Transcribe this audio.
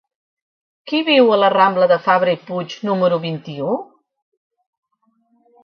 Qui viu a la rambla de Fabra i Puig número vint-i-u?